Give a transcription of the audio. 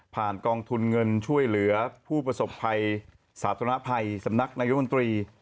กองทุนเงินช่วยเหลือผู้ประสบภัยสาธารณภัยสำนักนายมนตรี